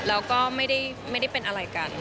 แล้วก็ไม่ได้เป็นอะไรกัน